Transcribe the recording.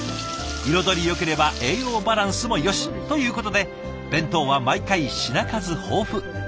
彩りよければ栄養バランスもよしということで弁当は毎回品数豊富。